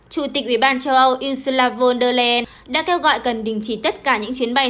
chủ tịch ủy ban châu âu ursula von der leyen đã kêu gọi cần đình chỉ tất cả những chuyến bay